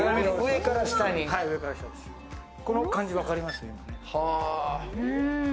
この感じ分かります？